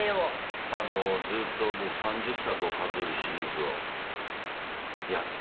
「ずっと３０作を数えるシリーズをやってまして」